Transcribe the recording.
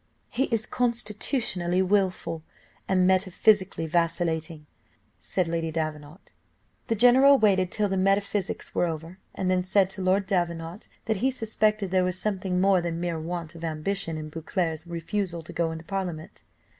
"He is constitutionally wilful, and metaphysically vacillating," said Lady Davenant. The general waited till the metaphysics were over, and then said to Lord Davenant that he suspected there was something more than mere want of ambition in Beauclerc's refusal to go into parliament.